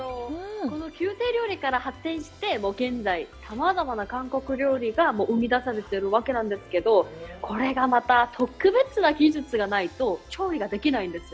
この宮廷料理から発展して、現在さまざまな韓国料理が生み出されてるわけなんですけど、これがまた特別な技術がないと、調理ができないんですよ。